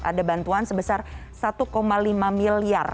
ada bantuan sebesar satu lima miliar